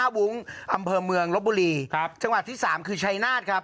วุ้งอำเภอเมืองลบบุรีครับจังหวัดที่สามคือชัยนาธครับ